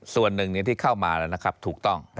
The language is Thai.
ส่วนหนึ่งที่เข้ามาถูกต้อง